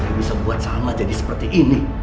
dia bisa buat sama jadi seperti ini